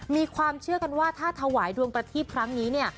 มีความเชื่อกันว่าถ้าถวายดวงประทีปครั้งนี้เนี่ย